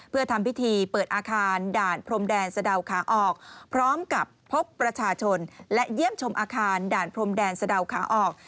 เพื่อทำพิธีเปิดอาคารด่านพรมแดนสะดาวขาออกพร้อมกับพบประชาชนและเยี่ยมชมอาคารด่านพรมแดนสะดาวขาออก